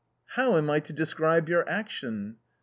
" How am I to describe your action?"